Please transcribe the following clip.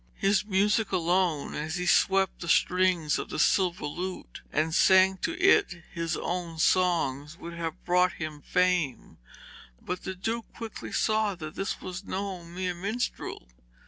His music alone, as he swept the strings of the silver lute and sang to it his own songs, would have brought him fame, but the Duke quickly saw that this was no mere minstrel.